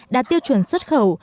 đã tiêu chuẩn xuất khẩu